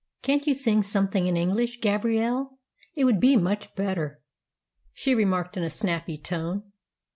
"Can't you sing something in English, Gabrielle? It would be much better," she remarked in a snappy tone.